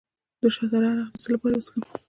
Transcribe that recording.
د شاه تره عرق د څه لپاره وڅښم؟